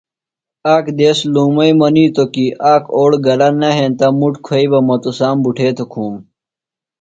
آک دیس لُومئی منِیتوۡ کی آک اوڑ گلہ نہ ہنتہ مُٹ کُھویئی بہ مہ تُسام بُٹھے تھےۡ کُھوم۔